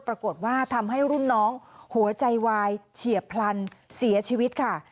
ปรากฏว่าทำให้รุ่นน้องหัวใจวายเฉียบพลันเสียชีวิตค่ะ